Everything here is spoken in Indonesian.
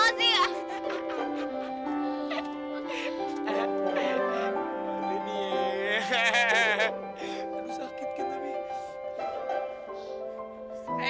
aduh sakit ken tapi